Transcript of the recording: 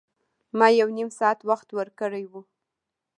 ما یو نیم ساعت وخت ورکړی و.